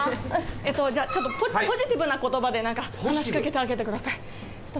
えーっとじゃあちょっとポジティブな言葉で何か話しかけてあげてください